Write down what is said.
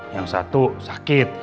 yang satu sakit